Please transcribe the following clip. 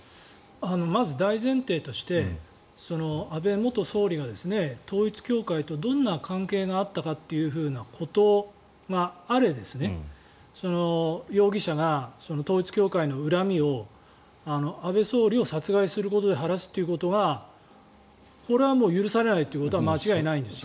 まず大前提として安倍元総理が統一教会とどんな関係があったかということがあれ容疑者が統一教会の恨みを安倍総理を殺害することで晴らすということはこれはもう許されないことは間違いないです。